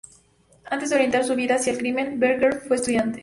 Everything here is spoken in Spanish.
Antes de orientar su vida hacia el crimen, Becker fue estudiante.